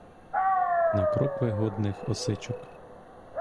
На крокви годних осичок.